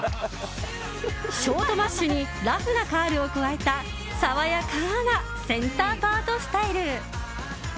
ショートマッシュにラフなカールを加えた爽やかなセンターパートスタイル。